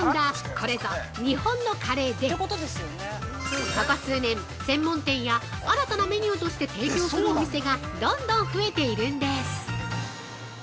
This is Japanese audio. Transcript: これぞ日本のカレーでここ数年、専門店や新たなメニューとして提供するお店がどんどんふえているんです。